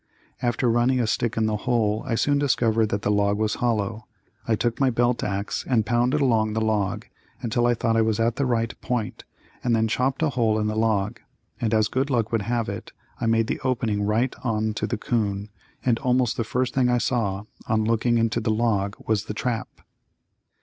After running a stick in the hole I soon discovered that the log was hollow. I took my belt axe and pounded along on the log until I thought I was at the right point and then chopped a hole in the log, and as good luck would have it, I made the opening right on to the 'coon, and almost the first thing I saw on looking into the log was the trap.